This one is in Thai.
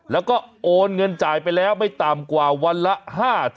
แล้วก็โอนเงินจ่ายไปแล้วไม่ต่ำกว่าวันละ๕๐๐